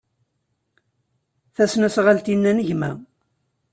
Tasnasɣalt-inna n gma.